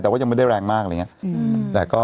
แต่ว่ายังไม่ได้แรงมากอะไรอย่างนี้